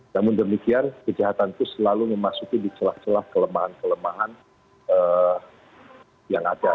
namun demikian kejahatan itu selalu memasuki di celah celah kelemahan kelemahan yang ada